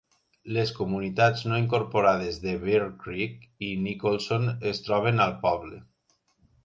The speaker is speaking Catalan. Les comunitats no incorporades de Bear Creek i Nicholson es troben al poble.